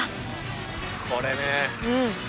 これね。